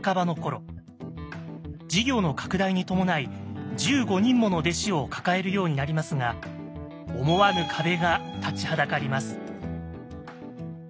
事業の拡大に伴い１５人もの弟子を抱えるようになりますが思わぬ壁が立ちはだかります。